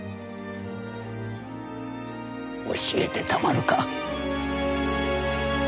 教えてたまるか。